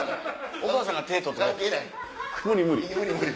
お母さんが手取った。